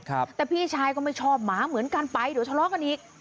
แต่พี่ชายก็ไม่ชอบหมาเหมือนกันไปเดี๋ยวทะเลาะกันอีก